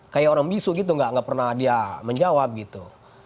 kayak orang bisu gitu gak pernah dia menjawab gitu